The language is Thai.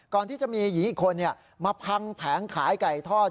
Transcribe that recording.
ก่อนที่จะมีหญิงอีกคนมาพังแผงขายไก่ทอด